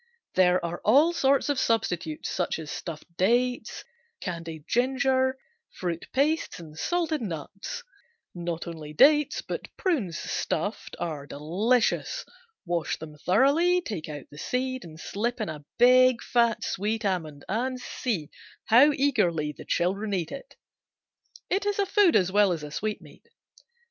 There are all sorts of substitutes such as stuffed dates, candied ginger, fruit pastes and salted nuts. Not only dates, but prunes, stuffed, are delicious. Wash them thoroughly, take out the seed and slip in a big, fat, sweet almond, and see how eagerly the children eat it. It is a food as well as a sweetmeat.